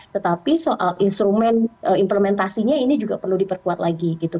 tetapi soal instrumen implementasinya ini juga perlu diperkuat lagi gitu